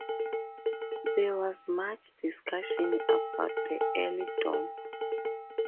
There was much discussion about the earldom.